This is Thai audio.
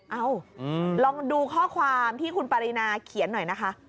ลองดูข้อความที่คุณปรินาเขียนหน่อยนะคะ